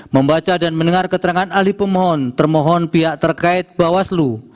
membaca dan mendengar keterangan ahli pemohon termohon pihak terkait bawaslu